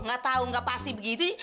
nggak tahu nggak pasti begitu